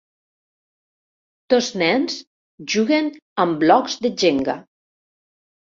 Dos nens juguen amb blocs de jenga.